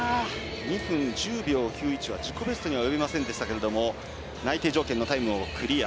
２分１０秒９１は自己ベストにはおよびませんでしたけども内定条件のタイムをクリア。